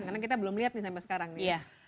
karena kita belum lihat nih sampai sekarang nih